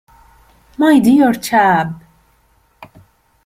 My dear chap!